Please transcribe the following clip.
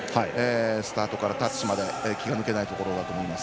スタートからタッチまで気が抜けないところです。